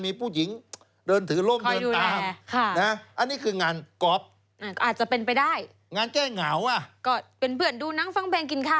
มีผู้หญิงเดินถือล่มเดินตามคลอยดูแรคค่ะ